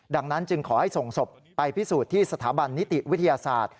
ดังนั้นจึงขอให้ส่งศพไปพิสูจน์ที่สถาบันนิติวิทยาศาสตร์